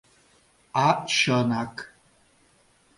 — А чынак.